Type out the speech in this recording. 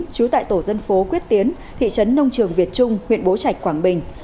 trú tại tổ dân phố quyết tiến thị trấn nông trường việt trung huyện bố trạch quảng bình